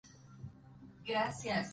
Los carteles son muy usados como entradas.